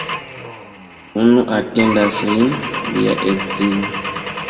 Unu atendas lin, lia edzino.